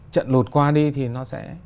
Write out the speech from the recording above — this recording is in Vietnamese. trận lụt qua đi thì nó sẽ